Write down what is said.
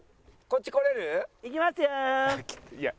行きますよー。